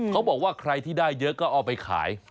เขาบอกว่าใครที่ได้เยอะก็เอาไปขาย